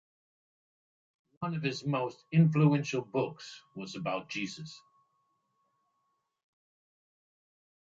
One of his most influential books was about Jesus.